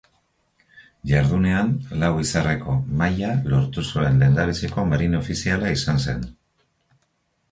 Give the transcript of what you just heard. Jardunean lau-izarreko maila lortu zuen lehendabiziko marine ofiziala izan zen.